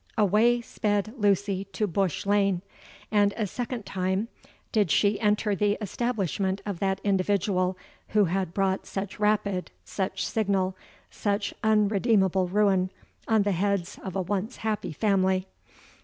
Away sped Lucy to Bush Lane; and a second time did she enter the establishment of that individual who had brought such rapid—such signal—such unredeemable ruin on the heads of a once happy family.